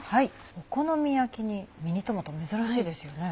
お好み焼きにミニトマト珍しいですよね？